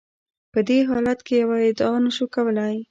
په دې حالت کې یوه ادعا نشو کولای.